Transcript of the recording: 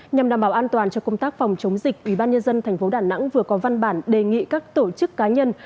nhằm đảm bảo an toàn cho công tác phòng chống dịch ủy ban nhân dân tp đà nẵng vừa có văn bản đề nghị các tổ chức cá nhân